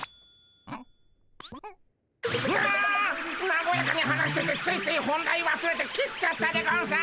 なごやかに話しててついつい本題わすれて切っちゃったでゴンス！